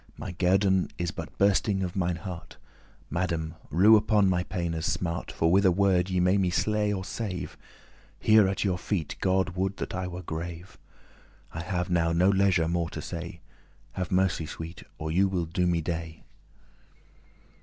My guerdon* is but bursting of mine heart. *reward Madame, rue upon my paine's smart, For with a word ye may me slay or save. Here at your feet God would that I were grave. I have now no leisure more to say: Have mercy, sweet, or you will *do me dey."